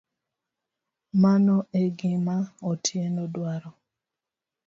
Mano e gima Otieno dwaro.